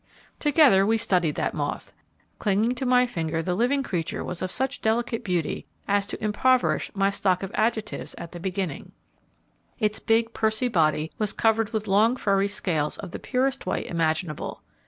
Together we studied that moth. Clinging to my finger, the living creature was of such delicate beauty as to impoverish my stock of adjectives at the beginning. Its big, pursy body was covered with long, furry scales of the purest white imaginable.